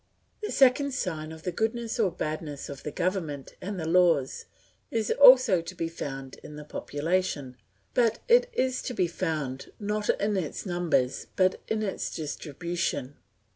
The second sign of the goodness or badness of the government and the laws is also to be found in the population, but it is to be found not in its numbers but in its distribution.